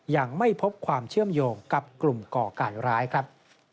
ยังไม่พบความเชื่อมโยงกับกลุ่มก่อการร้ายครับ